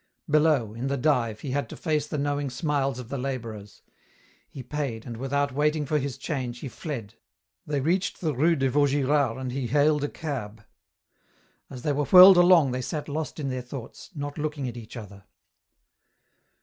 Below, in the dive, he had to face the knowing smiles of the labourers. He paid, and without waiting for his change, he fled. They reached the rue de Vaugirard and he hailed a cab. As they were whirled along they sat lost in their thoughts, not looking at each other.